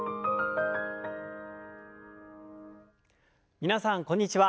皆さんこんにちは。